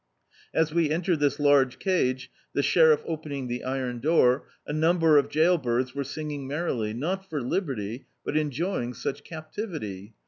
As we entered this large cage, the sheriff opening the iron door, a number of jail birds were singing merrily, not for liberty, but en joying such captivity.